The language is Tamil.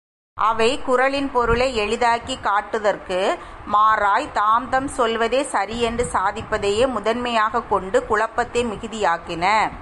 அவை குறளின் பொருளை எளிதாக்கிக் காட்டுதற்கு மாறாய்த் தாம்தாம் சொல்வதே சரி என்று சாதிப்பதையே முதன்மையாய்க்கொண்டு குழப்பத்தை மிகுதியாக்கின.